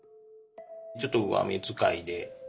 ちょっと上目づかいで。